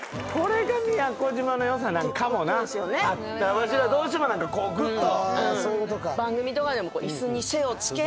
わしらどうしてもこうぐっと。